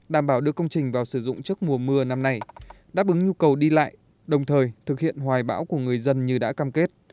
đảm bảo đưa công trình vào sử dụng trước mùa mưa năm nay đáp ứng nhu cầu đi lại đồng thời thực hiện hoài bão của người dân như đã cam kết